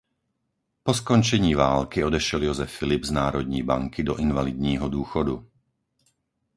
Po skončení války odešel Josef Filip z Národní banky do invalidního důchodu.